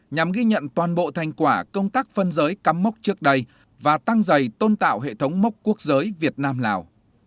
nhằm ghi nhận toàn bộ thành quả công tác phân giới cắm mốc trước đây và tăng dày tôn tạo hệ thống mốc quốc giới việt nam lào